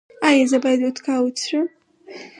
ایا زه باید وودکا وڅښم؟